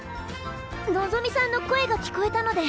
のぞみさんの声が聞こえたので。